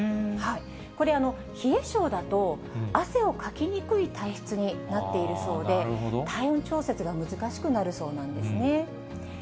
これ、冷え性だと、汗をかきにくい体質になっているそうで、体温調節が難しくなるそうなんですね。